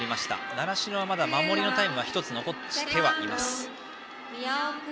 習志野はまだ守りのタイムが１つ残ってはいます。